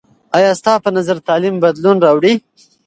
آیا ستا په نظر تعلیم بدلون راوړي؟